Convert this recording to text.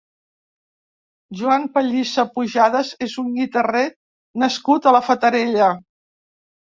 Joan Pellisa Pujades és un guitarrer nascut a la Fatarella.